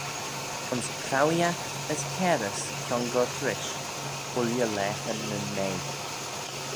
Ayns craueeaght as cairys kiongoyrt rish, ooilley laghyn nyn mea.